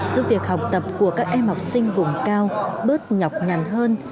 giúp việc học tập của các em học sinh vùng cao bớt nhọc nhằn hơn